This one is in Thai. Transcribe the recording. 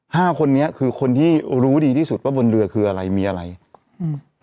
ห้าคนนี้คือคนที่รู้ดีที่สุดว่าบนเรือคืออะไรมีอะไรอืม